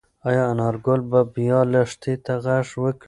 ايا انارګل به بیا لښتې ته غږ وکړي؟